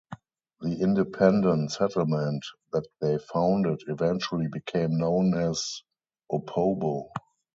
The independent settlement that they founded eventually became known as Opobo.